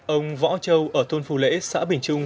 ông võ châu ở thôn phù lễ xã bình trung